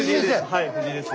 はい藤井です。